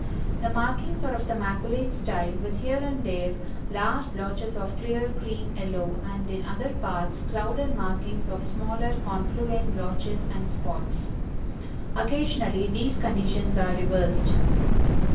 The markings are of the maculate style, with here and there large blotches of clear cream yellow, and and in other parts clouded markings of smaller confluent blotches and spots. Occasionally these conditions are reversed.